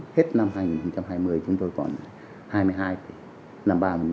hết năm hai nghìn hai mươi chúng tôi còn